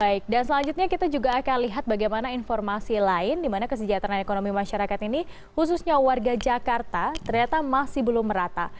baik dan selanjutnya kita juga akan lihat bagaimana informasi lain di mana kesejahteraan ekonomi masyarakat ini khususnya warga jakarta ternyata masih belum merata